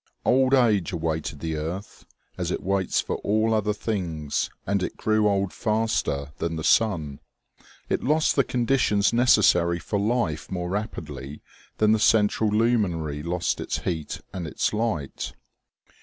Old age awaited the earth, as it waits for all other things, and it grew old faster than the sun. It lost the conditions necessary for life more rapidly than the central luminary lost its heat and its light.